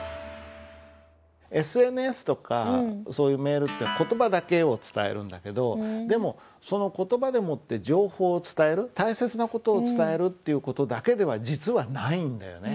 ＳＮＳとかそういうメールって言葉だけを伝えるんだけどでもその言葉でもって情報を伝える大切な事を伝えるっていう事だけでは実はないんだよね。